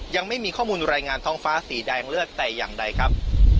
ยังไม่มีข้อมูลรายงานท้องฟ้าสีแดงเลือดแต่อย่างใดครับ